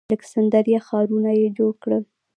د الکسندریه ښارونه یې جوړ کړل